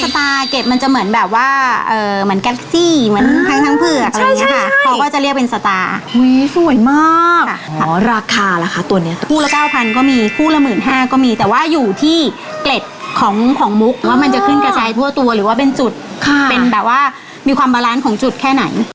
ต่อมานะคะมาที่เรื่องของแม่กันดีกว่า